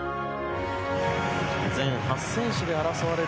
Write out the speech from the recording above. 全８選手で争われる